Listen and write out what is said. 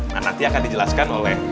nanti akan dijelaskan oleh